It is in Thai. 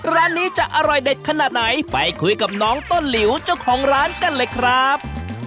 ร้านนี้จะอร่อยเด็ดขนาดไหนไปคุยกับน้องต้นหลิวเจ้าของร้านกันเลยครับ